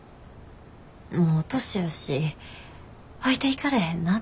もう年やし置いていかれへんなって。